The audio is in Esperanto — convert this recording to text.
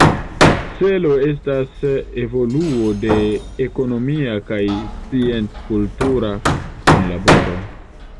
Celo estas evoluo de ekonomia kaj scienc-kultura kunlaboro.